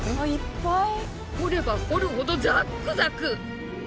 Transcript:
掘れば掘るほどザックザク。